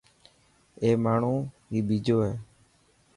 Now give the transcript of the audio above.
اي ماڻهو هي ٻيجو هي.